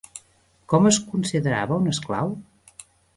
Com es considerava un esclau?